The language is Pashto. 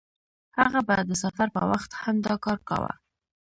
هغه به د سفر په وخت هم دا کار کاوه.